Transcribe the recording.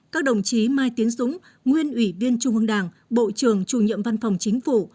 các đồng chí mai tiến dũng nguyên ủy viên trung ương đảng bộ trưởng chủ nhiệm văn phòng chính phủ